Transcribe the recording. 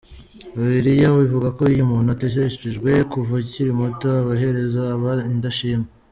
Bibiliya ivuga ko iyo umuntu ‘ateteshejwe kuva akiri muto, amaherezo aba indashima’.